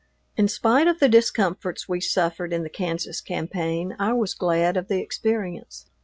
In spite of the discomforts we suffered in the Kansas campaign, I was glad of the experience.